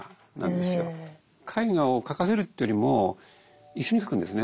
絵画を描かせるというよりも一緒に描くんですね